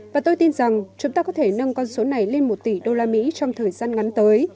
và tôi tin rằng chúng ta có thể nâng con số này lên một tỷ đô la mỹ trong thời gian ngắn tới